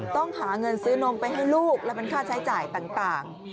ต้องหาเงินซื้อนมไปให้ลูกและเป็นค่าใช้จ่ายต่าง